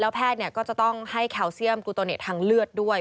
แพทย์ก็จะต้องให้แคลเซียมกูโตเนตทางเลือดด้วย